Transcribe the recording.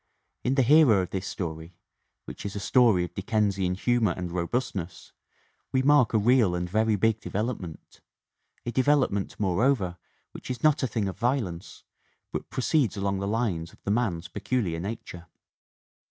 In the hero of this story, which is a story of Dickensian humor and robustness, we mark a real and very big development a develop ment, moreover, which is not a thing of violence but proceeds along the lines of the man's peculiar nature.